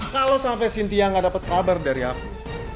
kalau sampai sintia gak dapat kabar dari aku